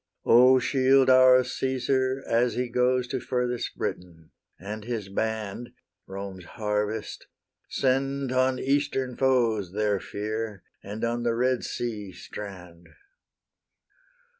O shield our Caesar as he goes To furthest Britain, and his band, Rome's harvest! Send on Eastern foes Their fear, and on the Red Sea strand!